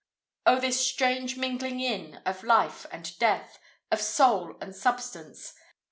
O, this strange mingling in of Life and Death, Of Soul and Substance!